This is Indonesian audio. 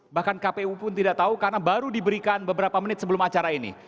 bahkan kpu pun tidak tahu karena baru diberikan beberapa menit sebelum acara ini